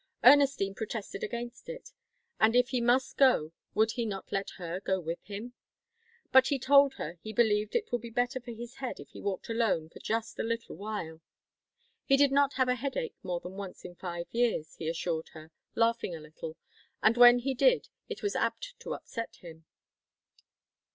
Ernestine protested against it and if he must go would he not let her go with him? But he told her he believed it would be better for his head if he walked alone for just a little while. He did not have a headache more than once in five years, he assured her, laughing a little, and when he did, it was apt to upset him.